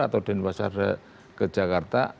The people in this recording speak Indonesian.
atau denpasar ke jakarta